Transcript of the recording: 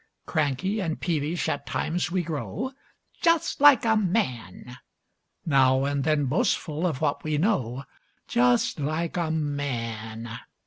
Cranky and peevish at times we grow: "Just like a man!" Now and then boastful of what we know: "Just like a man!"